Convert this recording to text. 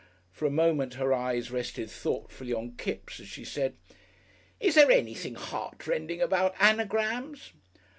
For a moment her eye rested thoughtfully on Kipps, as she said: "Is there anything heartrending about Anagrams?"